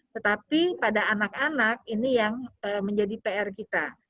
tetapi pada anak anak ini yang menjadi pr kita